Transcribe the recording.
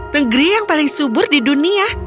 negeri yang paling subur di dunia